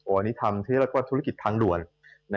อันนี้ทำที่เรียกว่าธุรกิจทางด่วน